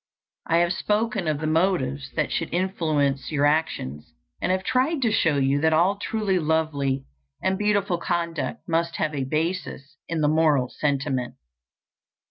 I have spoken of the motives that should influence your actions, and have tried to show you that all truly lovely and beautiful conduct must have a basis in the moral sentiment.